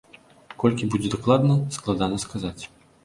Колькі будзе дакладна, складана сказаць.